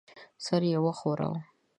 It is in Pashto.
سر یې وښوراوه.